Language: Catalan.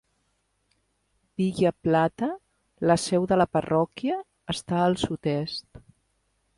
Ville Platte, la seu de la parròquia, està al sud-est.